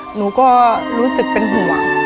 หนูก็รู้สึกเป็นห่วง